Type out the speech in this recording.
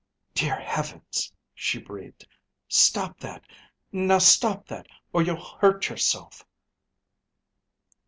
"Dear heavens," she breathed. "Stop that. Now stop it, or you'll hurt yourself."